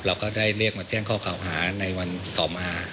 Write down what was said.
เราก็ได้เรียกมาแจ้งข้อข่าวหาในวันต่อมา